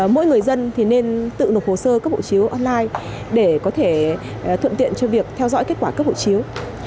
mỗi người dân thì nên tự nộp hồ sơ cấp hộ chiếu online để có thể thuận tiện cho việc theo dõi kết quả cấp hộ chiếu